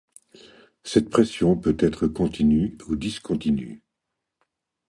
Cette pression peut être continue ou discontinue.